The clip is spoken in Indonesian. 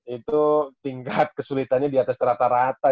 itu tingkat kesulitannya di atas rata rata